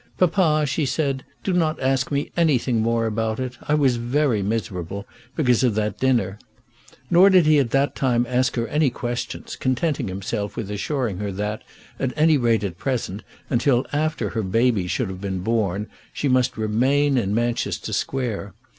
"Papa," she said, "do not ask me anything more about it. I was very miserable, because of the dinner." Nor did he at that time ask her any questions, contenting himself with assuring her that, at any rate at present, and till after her baby should have been born, she must remain in Manchester Square.